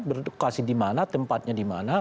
berdukasi di mana tempatnya di mana